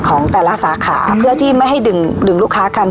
ของแต่ละสาขาเพื่อที่ไม่ให้ดึงลูกค้ากัน